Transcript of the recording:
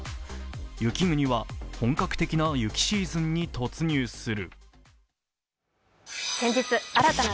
雪国は本格的な雪シーズンに突入する。